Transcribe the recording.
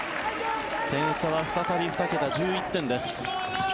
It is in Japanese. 点差は再び２桁、１１点です。